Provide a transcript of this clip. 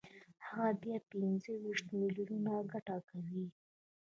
هغه بیا پنځه ویشت میلیونه ګټه کوي